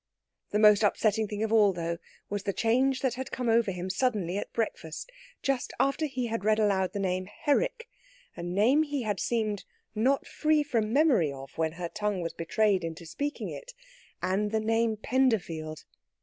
The most upsetting thing of all, though, was the change that had come over him suddenly at breakfast, just after he had read aloud the name Herrick a name he had seemed not free from memory of when her tongue was betrayed into speaking it and the name Penderfield.